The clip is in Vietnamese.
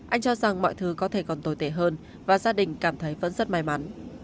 anh cho rằng mọi thứ có thể còn tồi tệ hơn và gia đình cảm thấy vẫn rất may mắn